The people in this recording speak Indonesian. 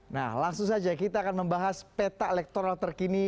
nah langsung saja kita akan membahas peta elektoral terkini